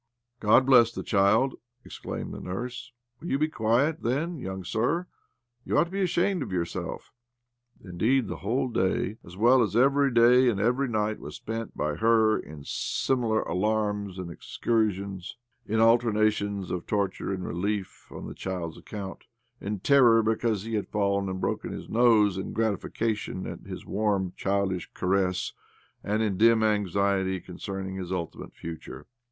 " God bless the child !" exclaimed the 92 OBLOMOV nurse. " Will you be quiet, then, young sir ? You ought to be ashamed of yourself I " Indeed, the whole day, as well as every day and every night, was spent by her in similar alarums and excursions, in alternations of torture and relief on the child's account, in terror because he had fallen and broken his nose, in gratification at his warm, childish caresses, and in dim anxiety concerning his ultimate future.